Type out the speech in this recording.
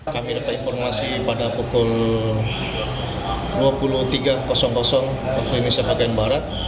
kami dapat informasi pada pukul dua puluh tiga waktu indonesia bagian barat